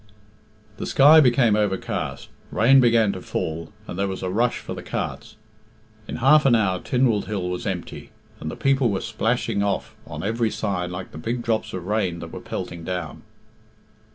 XIV. The sky became overcast, rain began to fall, and there was a rush for the carts. In half an hour Tynwald Hill was empty, and the people were splashing off on every side like the big drops of rain that were pelting down.